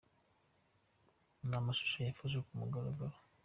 Ni amashusho yafashwe ku mugoroba.